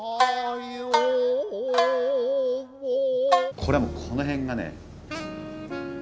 これはもうこの辺がね